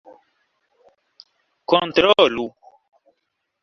kontrolu